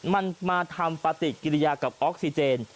มันมาทำปฏิกิริยากับออกซิเจน